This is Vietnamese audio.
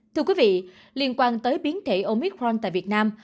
thưa quý vị liên quan tới biến thể omicron tại việt nam